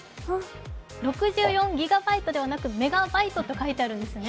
６４ギガバイトではなくメガバイトと書いてあるんですね。